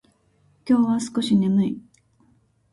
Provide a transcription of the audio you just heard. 今日は少し眠い。